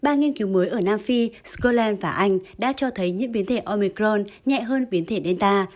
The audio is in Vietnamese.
ba nghiên cứu mới ở nam phi scotland và anh đã cho thấy những biến thể omicron nhẹ hơn biến thể nelta